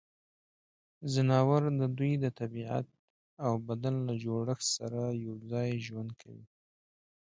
ځناور د دوی د طبعیت او بدن له جوړښت سره یوځای ژوند کوي.